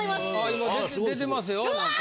今出てますよ何か。